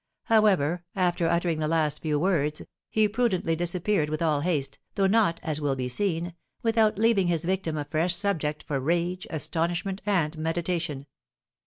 However, after uttering the last few words, he prudently disappeared with all haste, though not (as will be seen) without leaving his victim a fresh subject for rage, astonishment, and meditation.